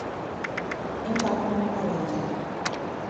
I ntap mbe nkwer i njap.